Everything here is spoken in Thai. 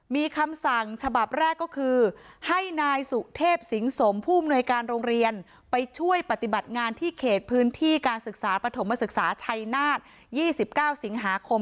มีคำสั่งฉบับแรกก็คือให้นายสุเทพสิงสมผู้อำนวยการโรงเรียนไปช่วยปฏิบัติงานที่เขตพื้นที่การศึกษาปฐมศึกษาชัยนาศ๒๙สิงหาคม